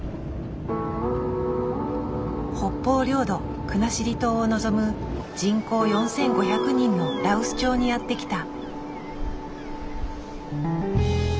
北方領土国後島を望む人口４，５００人の羅臼町にやって来た。